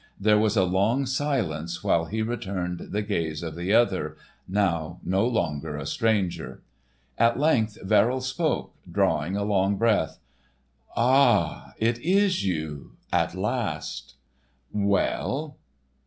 There was a long silence while he returned the gaze of the other, now no longer a stranger. At length Verrill spoke, drawing a long breath. "Ah ... it is you ... at last." "Well!"